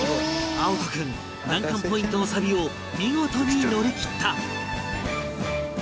碧人君難関ポイントのサビを見事に乗り切った